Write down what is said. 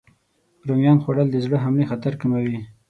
رومیان خوړل د زړه حملې خطر کموي.